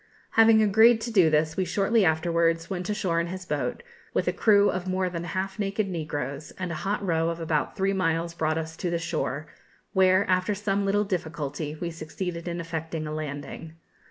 Having agreed to do this, we shortly afterwards went ashore in his boat, with a crew of more than half naked negroes, and a hot row of about three miles brought us to the shore, where, after some little difficulty, we succeeded in effecting a landing.